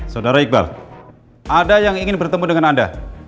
saudara iqbal ada yang ingin bertemu dengan anda